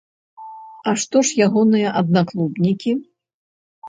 А што ж ягоныя аднаклубнікі?